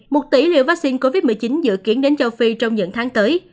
một tỷ liều vaccine covid một mươi chín dự kiến đến châu phi trong những tháng tới